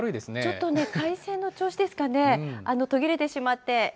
ちょっと回線の調子ですかね、途切れてしまって。